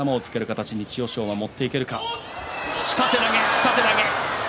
下手投げ。